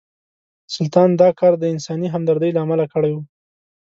سلطان دا کار د انساني همدردۍ له امله کړی و.